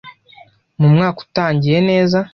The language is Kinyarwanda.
mu mwaka utangiye neza